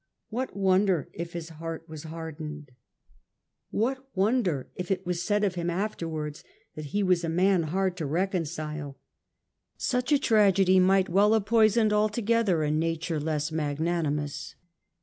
What wonder if his heart was hardened? What wonder if it was said of him afterwards that he was a man hard to reconcile? Such a tragedy might well have poisoned altogether a nature less magnanimous.